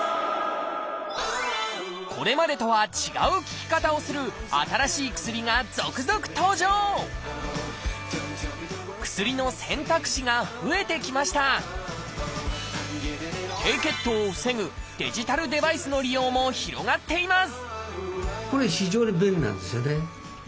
これまでとは違う効き方をする薬の選択肢が増えてきました低血糖を防ぐデジタルデバイスの利用も広がっています